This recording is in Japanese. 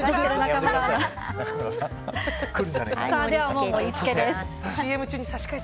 ではもう盛り付けです。